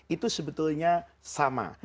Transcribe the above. itu sebetulnya sama